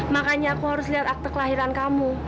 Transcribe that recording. makanya aku harus lihat akte kelahiran kamu